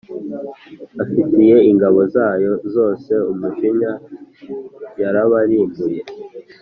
afitiye ingabo zayo zose umujinya yarabarimbuye